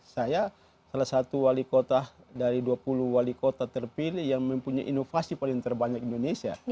saya salah satu wali kota dari dua puluh wali kota terpilih yang mempunyai inovasi paling terbanyak indonesia